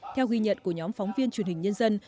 theo ghi nhận của nhóm phóng viên truyền hình nhân dân